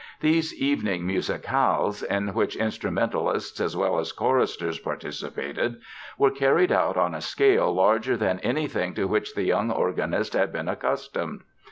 These evening musicales, in which instrumentalists as well as choristers participated, were carried out on a scale larger than anything to which the young organist had been accustomed.